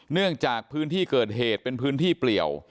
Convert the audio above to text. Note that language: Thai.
เนื่องจากพื้นที่เกิดเหตุเป็นพื้นที่เปลี่ยว